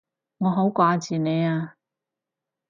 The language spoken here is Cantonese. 我好掛住你啊！